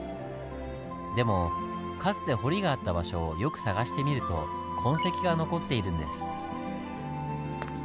でもかつて堀があった場所をよく探してみると痕跡が残っているんです。